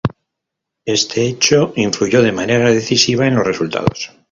Este hecho influyó de manera decisiva en los resultados.